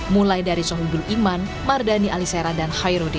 mulai dari sohibul iman mardani alisera dan hairudin